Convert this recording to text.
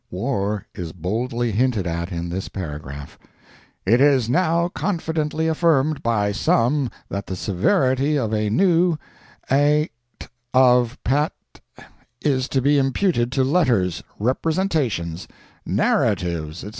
War is boldly hinted at in this paragraph: "It is now confidently affirmed by some that the severity of a new a—t of p—t is to be imputed to letters, representations, NARRATIVES, etc.